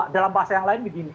dalam bahasa yang lain begini